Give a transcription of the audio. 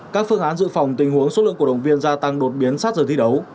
các phương án dự phòng tình huống số lượng cổ động viên gia tăng đột biến sát giờ thi đấu